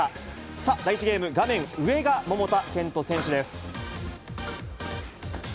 さあ、第１ゲーム、画面上が桃田賢斗選手です。